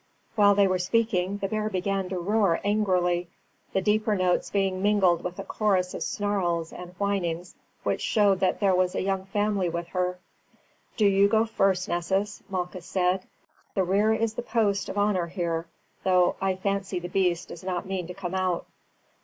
While they were speaking the bear began to roar angrily, the deeper notes being mingled with a chorus of snarls and whinings which showed that there was a young family with her. "Do you go first, Nessus," Malchus said. "The rear is the post of honour here, though I fancy the beast does not mean to come out."